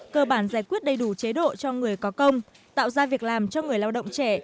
cơ bản giải quyết đầy đủ chế độ cho người có công tạo ra việc làm cho người lao động trẻ